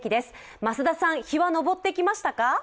増田さん、日は昇ってきましたか？